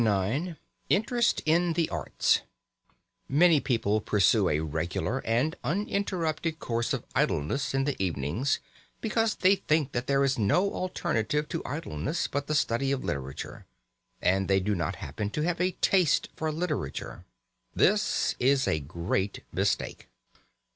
IX INTEREST IN THE ARTS Many people pursue a regular and uninterrupted course of idleness in the evenings because they think that there is no alternative to idleness but the study of literature; and they do not happen to have a taste for literature. This is a great mistake.